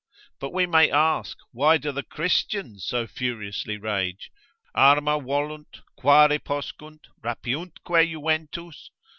But we may ask, why do the Christians so furiously rage? Arma volunt, quare poscunt, rapiuntque juventus?